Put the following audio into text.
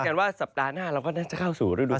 แพทย์กันว่าสัปดาห์หน้าเราก็น่าจะเข้าสู่รูดุสุด